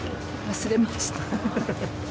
忘れました。